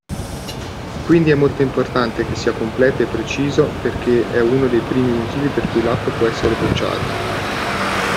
Quindi è molto importante che sia completo e preciso perché è uno dei primi motivi per cui l'app può essere bocciata.